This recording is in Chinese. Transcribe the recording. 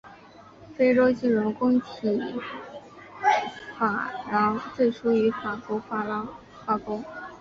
非洲金融共同体法郎最初与法国法郎挂钩。